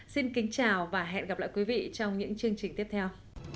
xin kính chào và hẹn gặp lại quý vị trong những chương trình tiếp theo